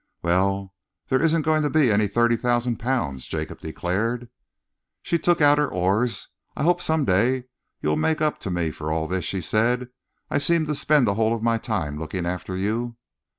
"Well, there isn't going to be any thirty thousand pounds," Jacob declared. She took out her oars. "I hope some day you'll make up to me for all this," she said. "I seem to spend the whole of my time looking after you."